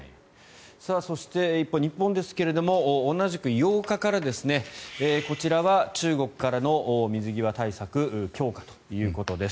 そして、一方、日本ですが同じく８日からこちらは中国からの水際対策強化ということです。